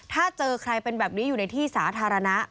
ถ้าเจอใครเป็นแบบนี้อยู่ในที่สาธารณะ